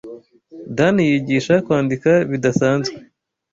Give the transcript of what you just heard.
Dan Yigisha Kwandika Bidasanzwe